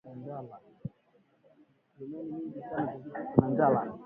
Turimeni mingi sana tushikufwe na njala